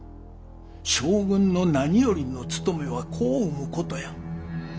将軍の何よりのつとめは子を産むことや！